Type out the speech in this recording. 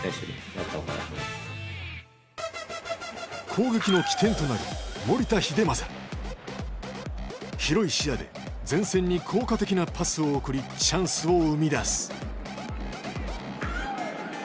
攻撃の起点となる広い視野で前線に効果的なパスを送りチャンスを生み出す。